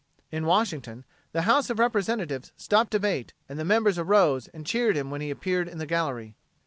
In Washington the House of Representatives stopped debate and the members arose and cheered him when he appeared in the gallery.